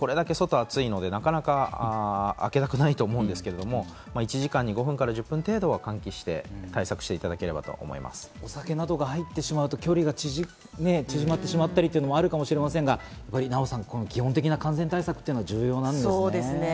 今、外が暑いので、なかなか開けたくないと思うんですけど、１時間に５分から１０分程度は換気して対策していただければと思お酒などが入ってしまうと距離が縮まってしまう場合もありますけれども、基本的な感染対策は重要なんですね。